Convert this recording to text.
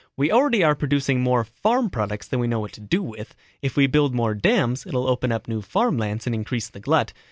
"We already are producing more farm products than we know what to do with; if we build more dams it'll open up new farm lands and increase the glut.